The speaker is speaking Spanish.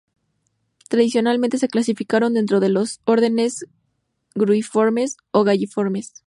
Tradicionalmente se clasificaron dentro de los órdenes Gruiformes o Galliformes.